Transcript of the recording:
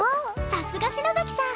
さすが篠崎さん！